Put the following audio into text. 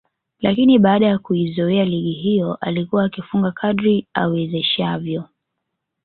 lakini baada ya kuizoea ligi hiyo alikuwa akifunga kadri awezeshavyo